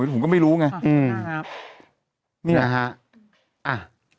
มี่นะซูร์มฮา